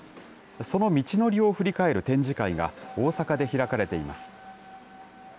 その道のりを振り返る展示会が大阪で開かれています。